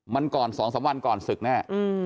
มันก่อน๒๓วันก่อนศึกแน่